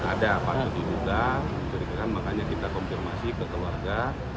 ada apa yang dibuka mencurigakan makanya kita konfirmasi kekeluargaan